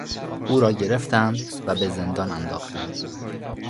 او را گرفتند و به زندان انداختند.